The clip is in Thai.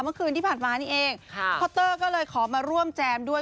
เมื่อคืนที่ผ่านมานี่เองคอตเตอร์ก็เลยขอมาร่วมแจมด้วย